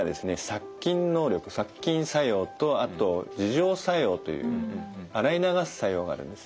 殺菌能力殺菌作用とあと自浄作用という洗い流す作用があるんですね。